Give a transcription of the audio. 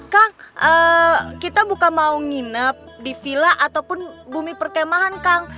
kang kita bukan mau nginep di villa ataupun bumi perkemahan kang